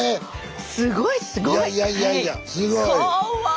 すごいすごい！